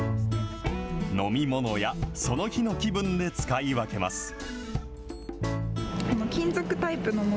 飲み物やその日の気分で使い分けます。